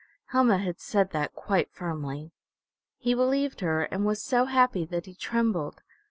Helma had said that quite firmly. He believed her and was so happy that he trembled.